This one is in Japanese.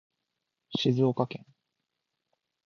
静岡県